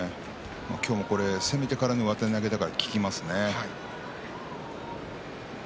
今日は攻めてからの上手投げですから効きますね。